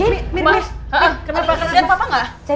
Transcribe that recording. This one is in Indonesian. mir mir mir kenal kenal sama papa gak